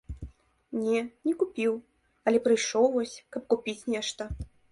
Не, не купіў, але прыйшоў вось, каб купіць нешта.